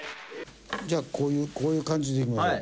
じゃあこういうこういう感じでいきましょう。